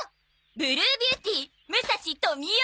ブルービューティー武蔵登美代。